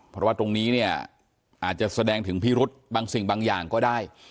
เพราะว่าตรงนี้เนี่ยอาจจะแสดงถึงพิรุษบางสิ่งบางอย่างก็ได้